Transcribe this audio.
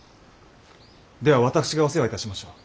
では私がお世話いたしましょう。